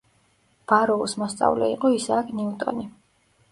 ბაროუს მოსწავლე იყო ისააკ ნიუტონი.